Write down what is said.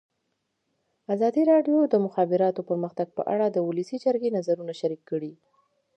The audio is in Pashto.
ازادي راډیو د د مخابراتو پرمختګ په اړه د ولسي جرګې نظرونه شریک کړي.